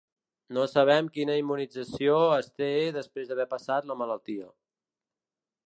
No sabem quina immunització es té després d’haver passat la malaltia.